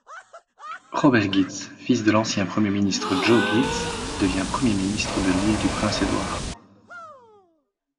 Robert Ghiz, fils de l'ancien premier ministre Joe Ghiz, devient Premier ministre de l'Île-du-Prince-Édouard.